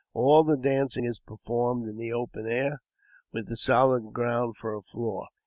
All the dancing is performed in the open air, with the solid ground for a floor.